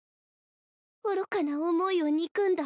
愚かな思いを憎んだ。